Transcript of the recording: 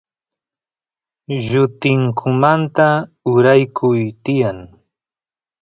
llutingumanta uraykuy tiyan